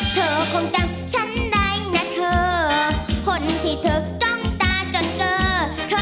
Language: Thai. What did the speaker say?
เธอคงจำฉันได้นะเธอคนที่เธอจ้องตาจนเจอเธอ